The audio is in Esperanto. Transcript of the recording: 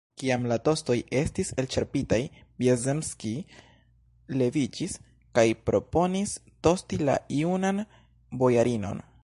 Kiam la tostoj estis elĉerpitaj, Vjazemskij leviĝis kaj proponis tosti la junan bojarinon.